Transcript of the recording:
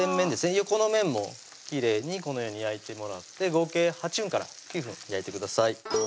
横の面もきれいにこのように焼いてもらって合計８分から９分焼いてください